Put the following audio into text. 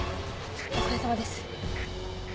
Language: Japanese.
お疲れさまです。